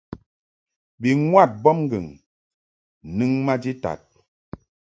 Bi ŋwad mbɔbŋgɨŋ nɨŋ maji tad.